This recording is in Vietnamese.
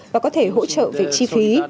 và có thể hỗ trợ về chi phí